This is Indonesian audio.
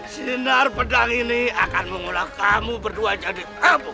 sinar pedang ini akan mengolah kamu berdua jadi kamu